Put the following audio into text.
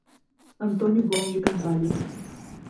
Antônio Gomes de Carvalho